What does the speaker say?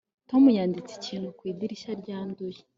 tom yanditse ikintu ku idirishya ryanduye